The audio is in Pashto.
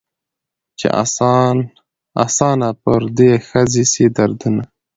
چي آسانه پر دې ښځي سي دردونه